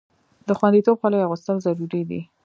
د خوندیتوب خولۍ اغوستل ضروري دي.